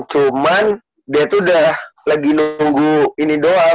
cuman dia tuh udah lagi nunggu ini doang